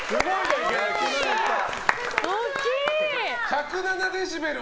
１０７デシベル！